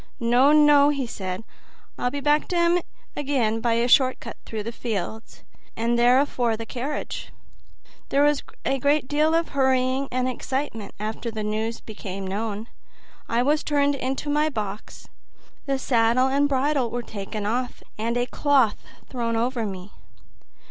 "No, no," he said; "I'll be back to 'em again by a short cut through the fields, and be there afore the carriage." There was a great deal of hurry and excitement after the news became known. I was just turned into my box; the saddle and bridle were taken off, and a cloth thrown over me.